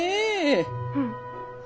☎うん。